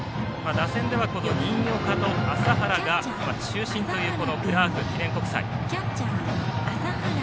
打線では新岡と麻原が中心というクラーク記念国際。